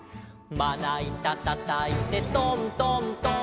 「まないたたたいてトントントン」